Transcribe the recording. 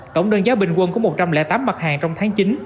tổng đơn giá bình quân của một trăm linh tám mặt hàng trong tháng chín